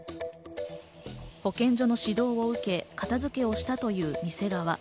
保健所の指導を受け、片付けをしたという店側。